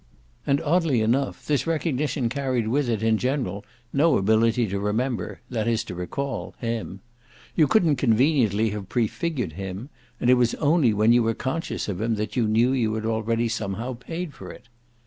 And, oddly enough, this recognition carried with it in general no ability to remember that is to recall him: you couldn't conveniently have prefigured him, and it was only when you were conscious of him that you knew you had already somehow paid for it.